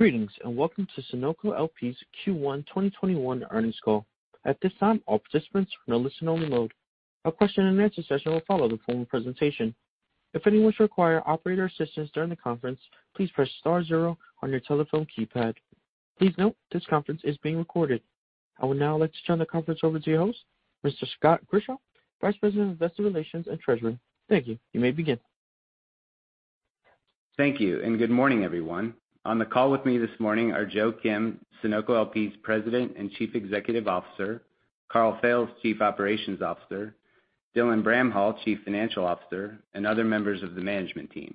Greetings, welcome to Sunoco LP's Q1 2021 Earnings Call. At this time, all participants are in a listen-only mode. A question and answer session will follow the formal presentation. If anyone should require operator assistance during the conference, please press star zero on your telephone keypad. Please note this conference is being recorded. I would now like to turn the conference over to your host, Mr. Scott Grischow, Vice President of Investor Relations and Treasurer. Thank you. You may begin. Thank you. Good morning, everyone. On the call with me this morning are Joe Kim, Sunoco LP's President and Chief Executive Officer, Karl Fails, Chief Operations Officer, Dylan Bramhall, Chief Financial Officer, and other members of the management team.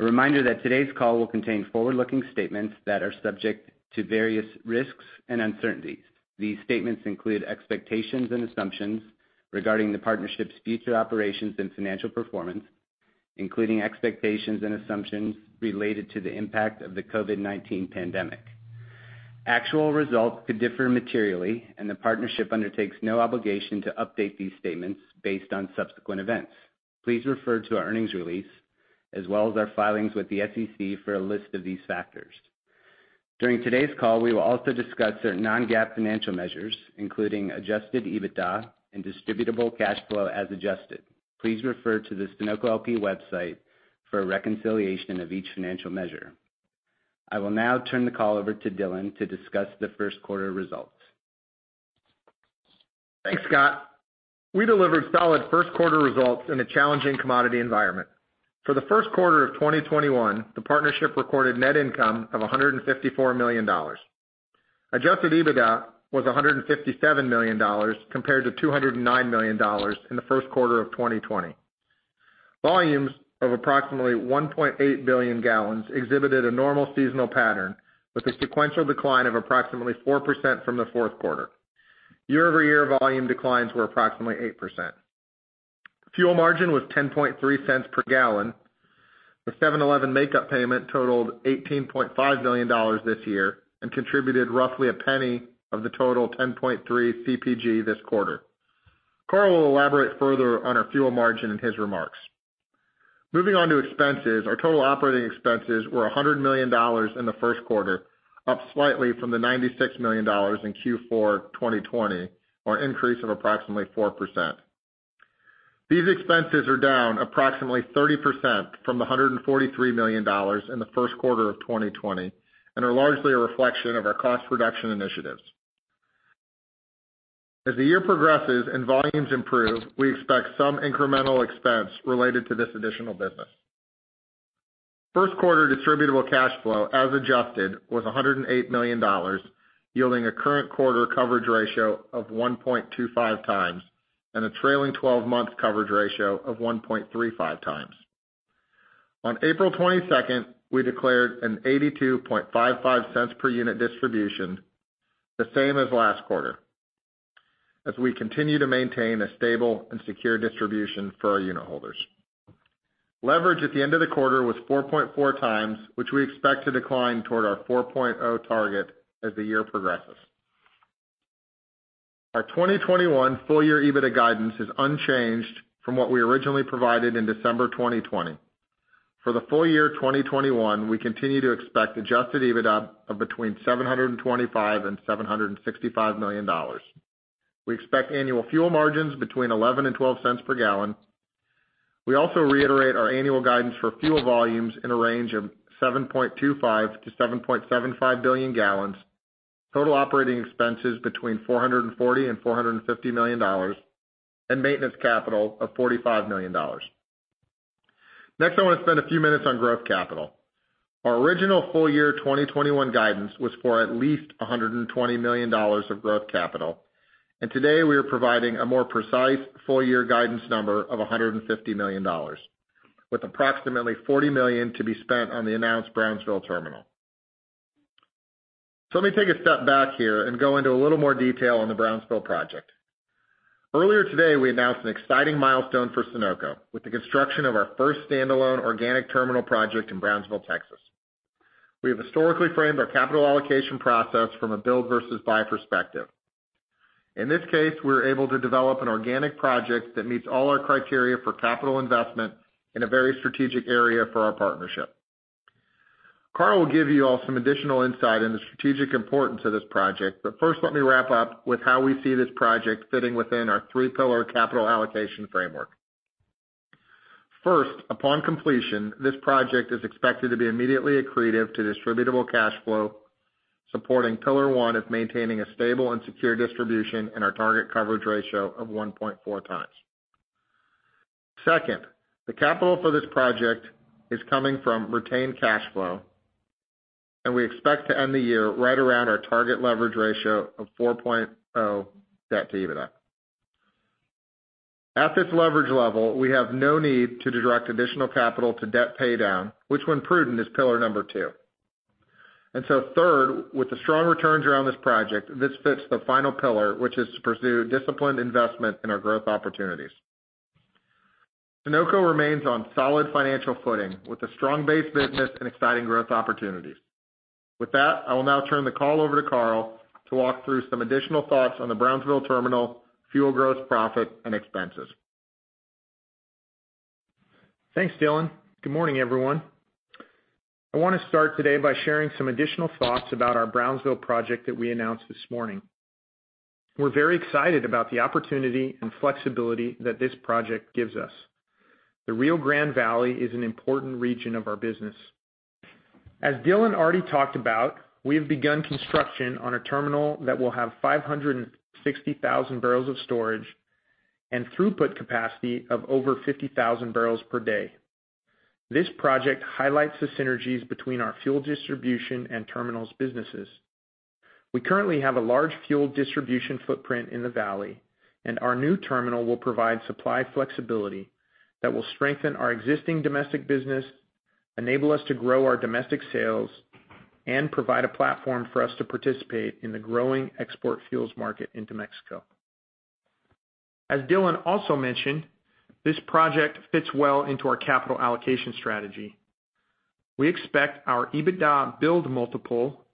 A reminder that today's call will contain forward-looking statements that are subject to various risks and uncertainties. These statements include expectations and assumptions regarding the partnership's future operations and financial performance, including expectations and assumptions related to the impact of the COVID-19 pandemic. Actual results could differ materially, and the partnership undertakes no obligation to update these statements based on subsequent events. Please refer to our earnings release, as well as our filings with the SEC, for a list of these factors. During today's call, we will also discuss certain non-GAAP financial measures, including adjusted EBITDA and distributable cash flow as adjusted. Please refer to the Sunoco LP website for a reconciliation of each financial measure. I will now turn the call over to Dylan to discuss the first quarter results. Thanks, Scott. We delivered solid first-quarter results in a challenging commodity environment. For the first quarter of 2021, the partnership recorded net income of $154 million. Adjusted EBITDA was $157 million compared to $209 million in the first quarter of 2020. Volumes of approximately 1.8 billion gallons exhibited a normal seasonal pattern with a sequential decline of approximately 4% from the fourth quarter. Year-over-year volume declines were approximately 8%. Fuel margin was $0.103 per gallon. The 7-Eleven makeup payment totaled $18.5 million this year and contributed roughly $0.01 of the total $0.103 CPG this quarter. Karl will elaborate further on our fuel margin in his remarks. Moving on to expenses. Our total operating expenses were $100 million in the first quarter, up slightly from the $96 million in Q4 2020, or an increase of approximately 4%. These expenses are down approximately 30% from the $143 million in the first quarter of 2020 and are largely a reflection of our cost reduction initiatives. As the year progresses and volumes improve, we expect some incremental expense related to this additional business. First quarter distributable cash flow as adjusted was $108 million, yielding a current quarter coverage ratio of 1.25x and a trailing 12-month coverage ratio of 1.35x. On April 22nd, we declared an $0.8255 per unit distribution, the same as last quarter, as we continue to maintain a stable and secure distribution for our unitholders. Leverage at the end of the quarter was 4.4x, which we expect to decline toward our 4.0 target as the year progresses. Our 2021 full year EBITDA guidance is unchanged from what we originally provided in December 2020. For the full year 2021, we continue to expect adjusted EBITDA of between $725 million and $765 million. We expect annual fuel margins between $0.11 and $0.12 per gallon. We also reiterate our annual guidance for fuel volumes in a range of 7.25 billion-7.75 billion gallons, total operating expenses between $440 million and $450 million, and maintenance capital of $45 million. Next, I want to spend a few minutes on growth capital. Our original full year 2021 guidance was for at least $120 million of growth capital, and today we are providing a more precise full year guidance number of $150 million, with approximately $40 million to be spent on the announced Brownsville terminal. Let me take a step back here and go into a little more detail on the Brownsville project. Earlier today, we announced an exciting milestone for Sunoco with the construction of our first standalone organic terminal project in Brownsville, Texas. We have historically framed our capital allocation process from a build versus buy perspective. In this case, we were able to develop an organic project that meets all our criteria for capital investment in a very strategic area for our partnership. Karl will give you all some additional insight into the strategic importance of this project, but first, let me wrap up with how we see this project fitting within our three-pillar capital allocation framework. First, upon completion, this project is expected to be immediately accretive to distributable cash flow, supporting pillar one of maintaining a stable and secure distribution and our target coverage ratio of 1.4x. Second, the capital for this project is coming from retained cash flow, and we expect to end the year right around our target leverage ratio of 4.0 debt to EBITDA. At this leverage level, we have no need to direct additional capital to debt paydown, which when prudent, is pillar number two. Third, with the strong returns around this project, this fits the final pillar, which is to pursue disciplined investment in our growth opportunities. Sunoco remains on solid financial footing with a strong base business and exciting growth opportunities. With that, I will now turn the call over to Karl to walk through some additional thoughts on the Brownsville terminal, fuel gross profit, and expenses. Thanks, Dylan. Good morning, everyone. I want to start today by sharing some additional thoughts about our Brownsville project that we announced this morning. We're very excited about the opportunity and flexibility that this project gives us. The Rio Grande Valley is an important region of our business. As Dylan already talked about, we have begun construction on a terminal that will have 560,000 barrels of storage and throughput capacity of over 50,000 barrels per day. This project highlights the synergies between our fuel distribution and terminals businesses. We currently have a large fuel distribution footprint in the valley, and our new terminal will provide supply flexibility that will strengthen our existing domestic business, enable us to grow our domestic sales, and provide a platform for us to participate in the growing export fuels market into Mexico. As Dylan also mentioned, this project fits well into our capital allocation strategy. We expect our EBITDA build multiple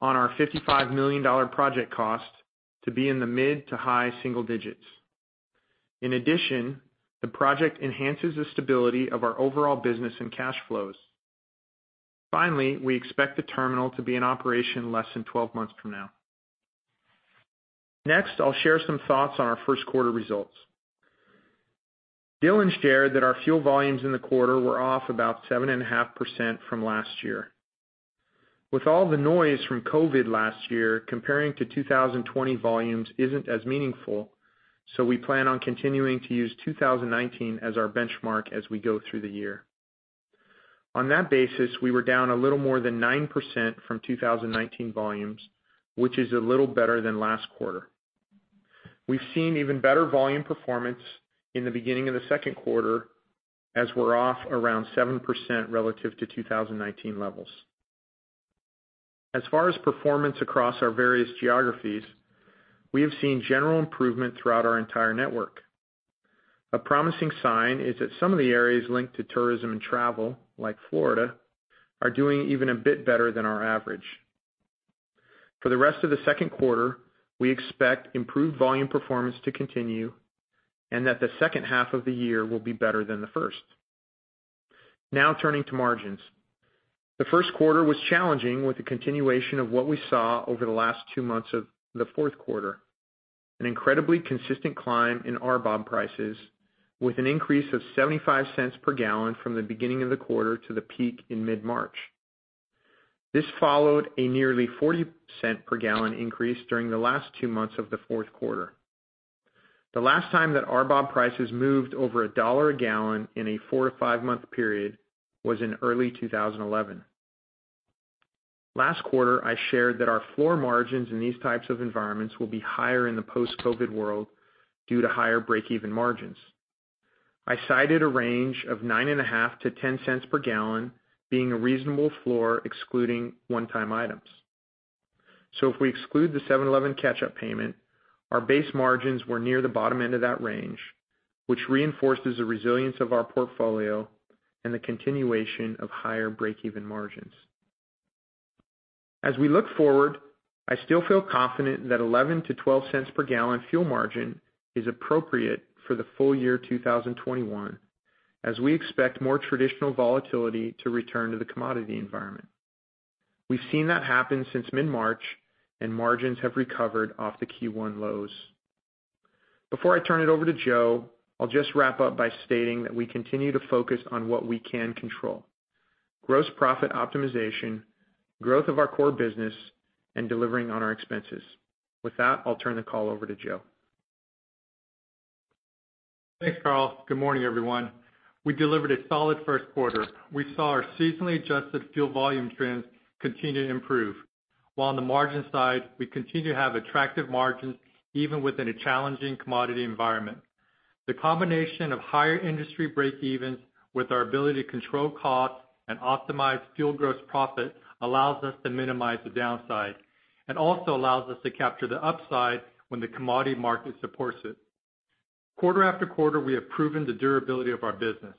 on our $55 million project cost to be in the mid to high single digits. In addition, the project enhances the stability of our overall business and cash flows. Finally, we expect the terminal to be in operation less than 12 months from now. Next, I'll share some thoughts on our first quarter results. Dylan shared that our fuel volumes in the quarter were off about 7.5% from last year. With all the noise from COVID last year, comparing to 2020 volumes isn't as meaningful, so we plan on continuing to use 2019 as our benchmark as we go through the year. On that basis, we were down a little more than 9% from 2019 volumes, which is a little better than last quarter. We've seen even better volume performance in the beginning of the second quarter, as we're off around 7% relative to 2019 levels. As far as performance across our various geographies, we have seen general improvement throughout our entire network. A promising sign is that some of the areas linked to tourism and travel, like Florida, are doing even a bit better than our average. For the rest of the second quarter, we expect improved volume performance to continue, and that the second half of the year will be better than the first. Turning to margins. The first quarter was challenging with the continuation of what we saw over the last two months of the fourth quarter, an incredibly consistent climb in RBOB prices with an increase of $0.75 per gallon from the beginning of the quarter to the peak in mid-March. This followed a nearly 40% per gallon increase during the last two months of the fourth quarter. The last time that RBOB prices moved over a dollar a gallon in a four-five-month period was in early 2011. Last quarter, I shared that our floor margins in these types of environments will be higher in the post-COVID world due to higher breakeven margins. I cited a range of $0.95-$0.10 per gallon being a reasonable floor excluding one-time items. If we exclude the 7-Eleven catch-up payment, our base margins were near the bottom end of that range, which reinforces the resilience of our portfolio and the continuation of higher breakeven margins. We look forward, I still feel confident that $0.11-$0.12 per gallon fuel margin is appropriate for the full year 2021, as we expect more traditional volatility to return to the commodity environment. We've seen that happen since mid-March, and margins have recovered off the Q1 lows. Before I turn it over to Joe, I'll just wrap up by stating that we continue to focus on what we can control, gross profit optimization, growth of our core business, and delivering on our expenses. With that, I'll turn the call over to Joe. Thanks, Karl. Good morning, everyone. We delivered a solid first quarter. We saw our seasonally adjusted fuel volume trends continue to improve. On the margin side, we continue to have attractive margins, even within a challenging commodity environment. The combination of higher industry breakevens with our ability to control costs and optimize fuel gross profit allows us to minimize the downside and also allows us to capture the upside when the commodity market supports it. Quarter-after-quarter, we have proven the durability of our business.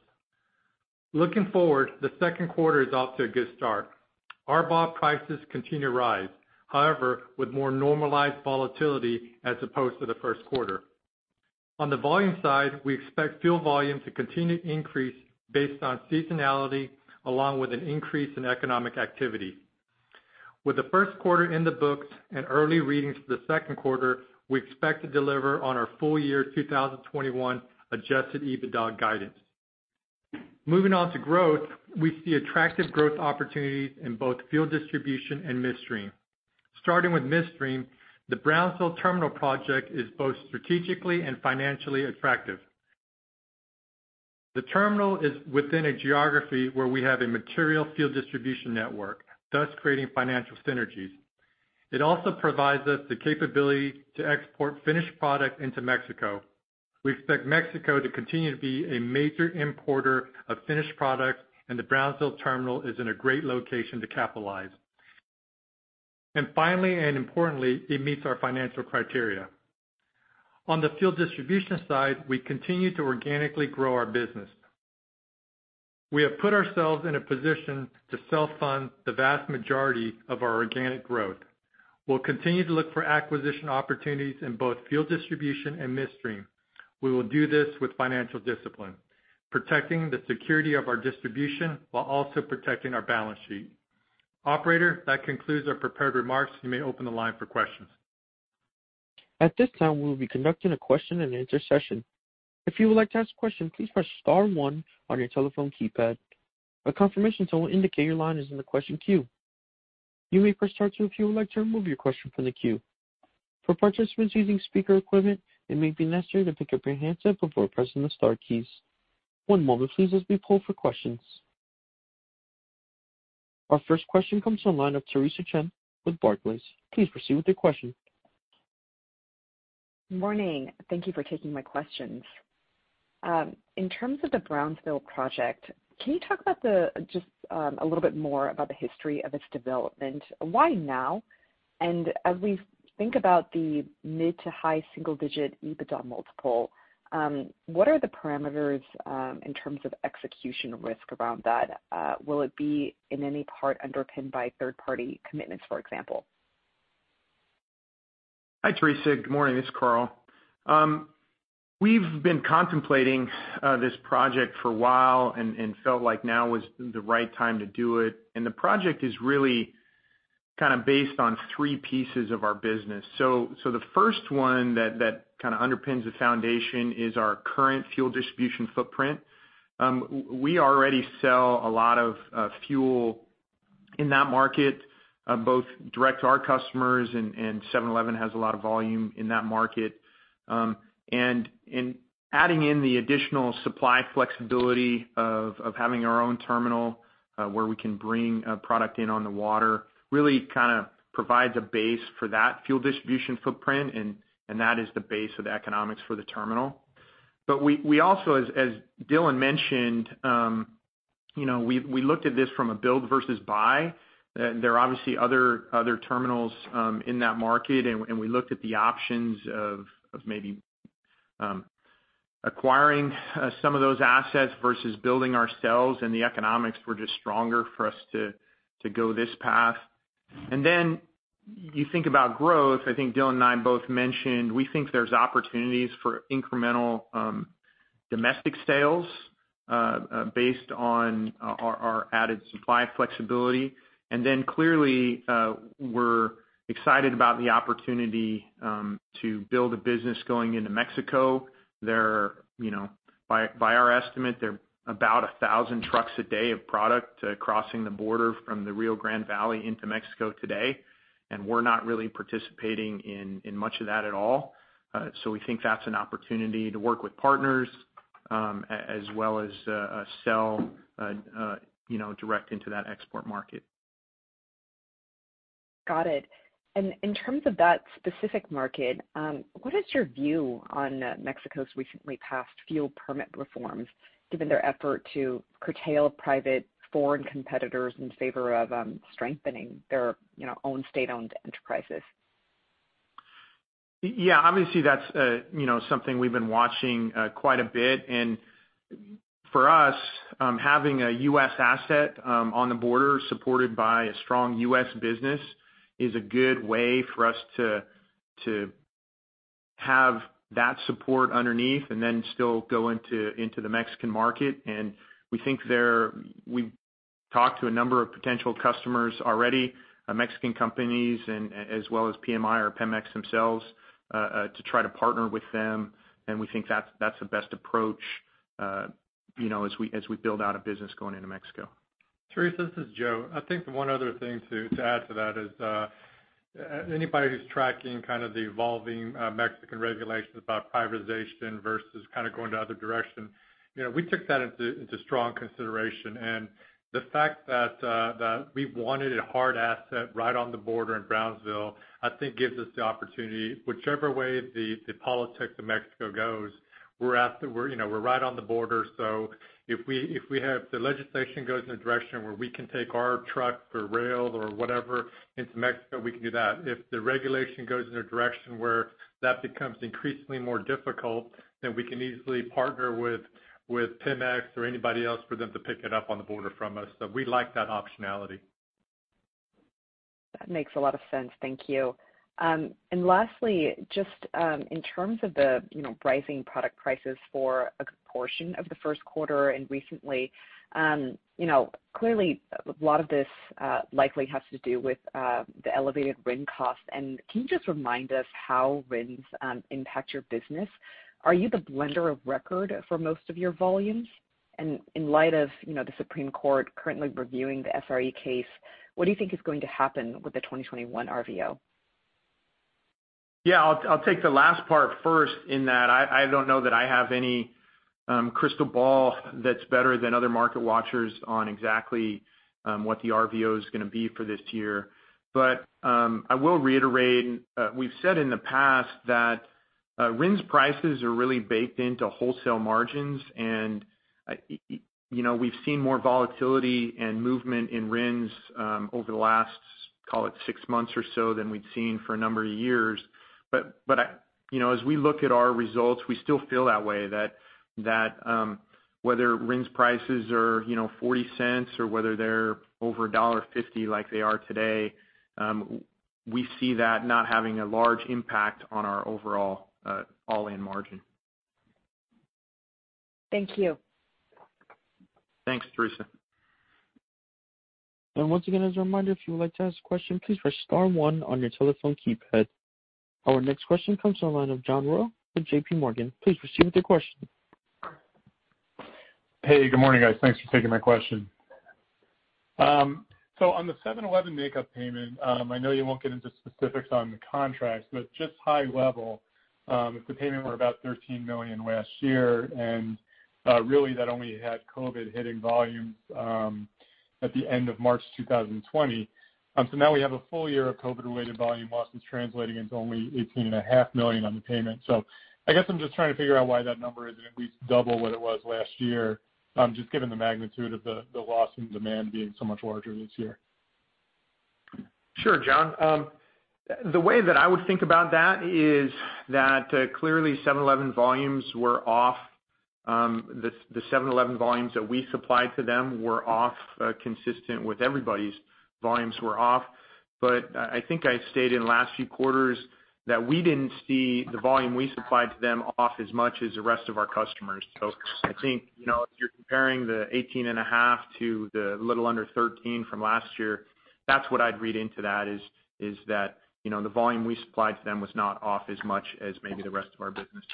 Looking forward, the second quarter is off to a good start. RBOB prices continue to rise. With more normalized volatility as opposed to the first quarter. On the volume side, we expect fuel volume to continue to increase based on seasonality, along with an increase in economic activity. With the first quarter in the books and early readings for the second quarter, we expect to deliver on our full year 2021 adjusted EBITDA guidance. Moving on to growth, we see attractive growth opportunities in both fuel distribution and midstream. Starting with midstream, the Brownsville Terminal project is both strategically and financially attractive. The terminal is within a geography where we have a material fuel distribution network, thus creating financial synergies. It also provides us the capability to export finished product into Mexico. We expect Mexico to continue to be a major importer of finished product, and the Brownsville terminal is in a great location to capitalize. Finally, and importantly, it meets our financial criteria. On the fuel distribution side, we continue to organically grow our business. We have put ourselves in a position to self-fund the vast majority of our organic growth. We'll continue to look for acquisition opportunities in both fuel distribution and midstream. We will do this with financial discipline, protecting the security of our distribution while also protecting our balance sheet. Operator, that concludes our prepared remarks. You may open the line for questions. At this time, we will be conducting a question and answer session. If you would like to ask a question, please press star one on your telephone keypad. A confirmation tone will indicate your line is in the question queue. You may press star two if you would like to remove your question from the queue. For participants using speaker equipment, it may be necessary to pick up your handset before pressing the star keys. One moment please, as we poll for questions. Our first question comes from the line of Theresa Chen with Barclays. Please proceed with your question. Morning. Thank you for taking my questions. In terms of the Brownsville project, can you talk about just a little bit more about the history of its development? Why now? As we think about the mid to high single-digit EBITDA multiple, what are the parameters in terms of execution risk around that? Will it be in any part underpinned by third-party commitments, for example? Hi, Theresa. Good morning. It's Karl. We've been contemplating this project for a while and felt like now was the right time to do it. The project is really kind of based on three pieces of our business. The first one that kind of underpins the foundation is our current fuel distribution footprint. We already sell a lot of fuel in that market, both direct to our customers, and 7-Eleven has a lot of volume in that market. Adding in the additional supply flexibility of having our own terminal, where we can bring a product in on the water, really kind of provides a base for that fuel distribution footprint, and that is the base of the economics for the terminal. We also, as Dylan mentioned, we looked at this from a build versus buy. There are obviously other terminals in that market, and we looked at the options of maybe acquiring some of those assets versus building ourselves, and the economics were just stronger for us to go this path. You think about growth. I think Dylan and I both mentioned, we think there's opportunities for incremental domestic sales, based on our added supply flexibility. Clearly, we're excited about the opportunity to build a business going into Mexico. By our estimate, there are about 1,000 trucks a day of product crossing the border from the Rio Grande Valley into Mexico today, and we're not really participating in much of that at all. We think that's an opportunity to work with partners, as well as, sell direct into that export market. Got it. In terms of that specific market, what is your view on Mexico's recently passed fuel permit reforms, given their effort to curtail private foreign competitors in favor of strengthening their own state-owned enterprises? Yeah, obviously that's something we've been watching quite a bit. For us, having a U.S. asset on the border supported by a strong U.S. business is a good way for us to have that support underneath and then still go into the Mexican market. We've talked to a number of potential customers already, Mexican companies, as well as PMI or Pemex themselves, to try to partner with them. We think that's the best approach as we build out a business going into Mexico. Theresa, this is Joe. I think the one other thing to add to that is, anybody who's tracking kind of the evolving Mexican regulations about privatization versus kind of going the other direction, we took that into strong consideration. The fact that we wanted a hard asset right on the border in Brownsville, I think gives us the opportunity. Whichever way the politics of Mexico goes, we're right on the border, so if the legislation goes in a direction where we can take our trucks or rails or whatever into Mexico, we can do that. If the regulation goes in a direction where that becomes increasingly more difficult, then we can easily partner with Pemex or anybody else for them to pick it up on the border from us. We like that optionality. That makes a lot of sense. Thank you. Lastly, just in terms of the rising product prices for a portion of the first quarter and recently, clearly a lot of this likely has to do with the elevated RIN cost. Can you just remind us how RINs impact your business? Are you the blender of record for most of your volumes? In light of the Supreme Court currently reviewing the SRE case, what do you think is going to happen with the 2021 RVO? Yeah. I'll take the last part first in that I don't know that I have any crystal ball that's better than other market watchers on exactly what the RVO is going to be for this year. I will reiterate, we've said in the past that RINs prices are really baked into wholesale margins. We've seen more volatility and movement in RINs over the last, call it six months or so than we'd seen for a number of years. As we look at our results, we still feel that way, that whether RINs prices are $0.40 or whether they're over $1.50 like they are today, we see that not having a large impact on our overall all-in margin. Thank you. Thanks, Theresa. Once again, as a reminder, if you would like to ask a question, please press star one on your telephone keypad. Our next question comes to the line of John Royall with JPMorgan. Please proceed with your question. Hey, good morning, guys. Thanks for taking my question. On the 7-Eleven makeup payment, I know you won't get into specifics on the contracts, but just high level, if the payment were about $13 million last year, and really that only had COVID hitting volumes at the end of March 2020. Now we have a full year of COVID-related volume losses translating into only $18.5 million on the payment. I guess I'm just trying to figure out why that number isn't at least double what it was last year, just given the magnitude of the loss in demand being so much larger this year. Sure, John. The way that I would think about that is that clearly, 7-Eleven volumes were off. The 7-Eleven volumes that we supplied to them were off, consistent with everybody's volumes were off. I think I stated last few quarters that we didn't see the volume we supplied to them off as much as the rest of our customers. I think if you're comparing the $18.5 million to the little under $13 million from last year, that's what I'd read into that is that the volume we supplied to them was not off as much as maybe the rest of our business.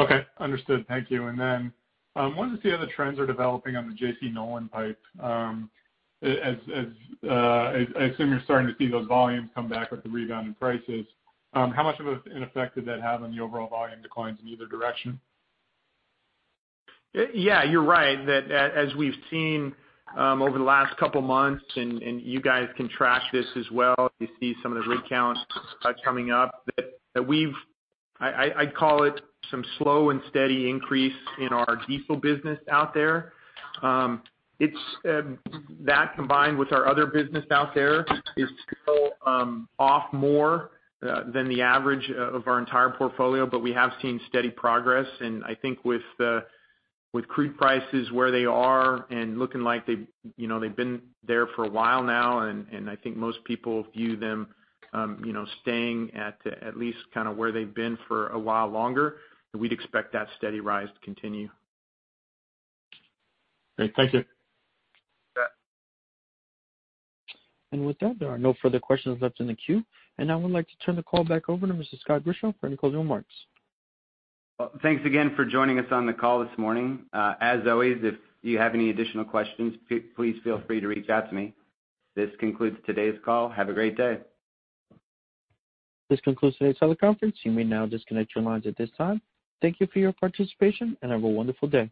Okay, understood. Thank you. wanted to see how the trends are developing on the JC Nolan pipe. I assume you're starting to see those volumes come back with the rebound in prices. How much of an effect did that have on the overall volume declines in either direction? Yeah, you're right. That as we've seen over the last couple of months, and you guys can track this as well, you see some of the rig counts coming up. I'd call it some slow and steady increase in our diesel business out there. That combined with our other business out there is still off more than the average of our entire portfolio. We have seen steady progress, and I think with the crude prices where they are and looking like they've been there for a while now, and I think most people view them staying at least kind of where they've been for a while longer, we'd expect that steady rise to continue. Great. Thank you. You bet. with that, there are no further questions left in the queue. now I would like to turn the call back over to Mr. Scott Grischow for any closing remarks. Thanks again for joining us on the call this morning. As always, if you have any additional questions, please feel free to reach out to me. This concludes today's call. Have a great day. This concludes today's teleconference. You may now disconnect your lines at this time. Thank you for your participation, and have a wonderful day.